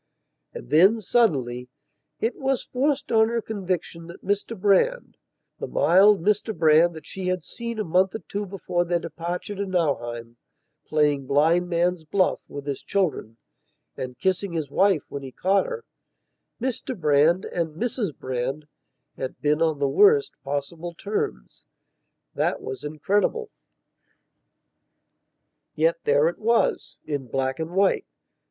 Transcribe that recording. And then, suddenly, it was forced on her conviction that Mr Brandthe mild Mr Brand that she had seen a month or two before their departure to Nauheim, playing "Blind Man's Buff" with his children and kissing his wife when he caught herMr Brand and Mrs Brand had been on the worst possible terms. That was incredible. Yet there it wasin black and white.